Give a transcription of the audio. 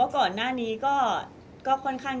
มิวยังมีเจ้าหน้าที่ตำรวจอีกหลายคนที่พร้อมจะให้ความยุติธรรมกับมิว